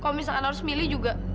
kalo misalnya harus milih juga